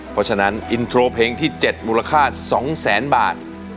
เพราะฉะนั้นอินโทรเพลงที่๗มูลค่า๒แสนบาท